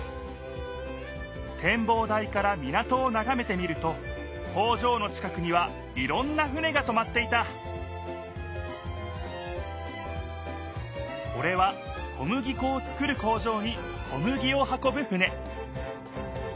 てんぼう台から港をながめてみると工場の近くにはいろんな船がとまっていたこれは小麦こを作る工場に小麦を運ぶ船